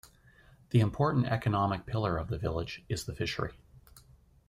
The important economic pillar of the village is the fishery.